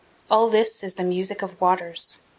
All this is the music of waters.